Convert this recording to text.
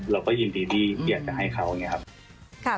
เราก็ยินดีที่อยากจะให้เค้า